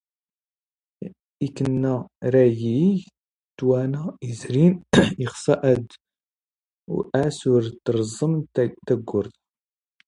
ⵉⴽⵏⵏⴰ ⵔⴰ ⵉⴳ ⵉⴳ ⵜ ⵡⴰⵏⵏⴰ ⵉⵣⵔⵉⵏ ⵉⵅⵚⵚⴰ ⴰⴷ ⴰⵙ ⵓⵔ ⵜⵕⵥⵎⵜ ⵜⴰⴳⴳⵓⵔⵜ.